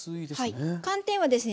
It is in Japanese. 寒天はですね